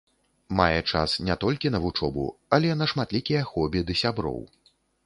Мае час не толькі на вучобу, але на шматлікія хобі ды сяброў.